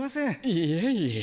いえいえ。